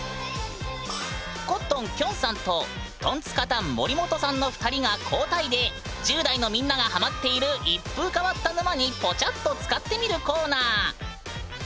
コットンきょんさんとトンツカタン森本さんの２人が交代で１０代のみんながハマっている一風変わった沼にポチャッとつかってみるコーナー！